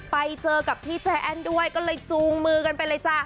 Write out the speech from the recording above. ไปเจอกับพี่ใจแอ้นด้วยก็เลยจูงมือกันไปเลยจ้ะ